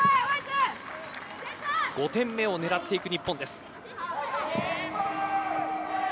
５点目を狙っていく日本です。